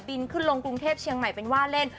บินขึ้นลงกรุงเทพเมื่อเวลาเป็นวาเลน